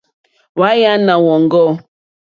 Hwáǃánáá wɔ̀ŋɡɔ́.